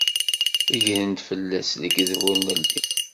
Gren-d fell-as lekdeb ur nelli.